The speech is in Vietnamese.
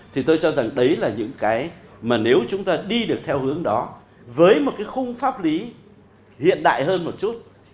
thì tôi cho rằng đấy là những cái mà nếu chúng ta đi được theo hướng đó với một cái khung pháp lý hiện đại hơn một chút